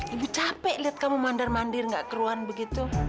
ibu capek lihat kamu mandar mandir gak keruan begitu